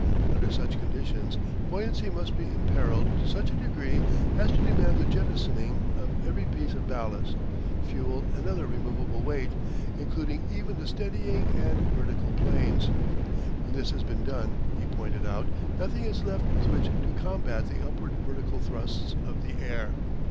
Under such conditions buoyancy must be imperilled to such a degree as to demand the jettisoning of every piece of ballast, fuel and other removable weight, including even the steadying and vertical planes. When this has been done, he pointed out, nothing is left with which to combat the upward vertical thrusts of the air.